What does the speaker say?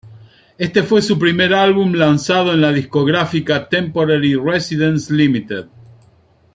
Este fue su primer álbum lanzado en la discográfica Temporary Residence Limited.